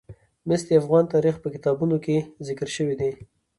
مس د افغان تاریخ په کتابونو کې ذکر شوی دي.